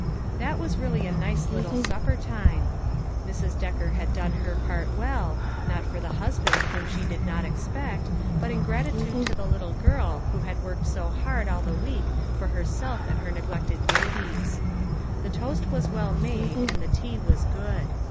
That was really a nice little supper time. Mrs. Decker had done her part well, not for the hus band whom she did not expect, but in gratitude to the little girl who had worked so hard all the week for herself and her neglected babies. The toast was well made, and the tea was good.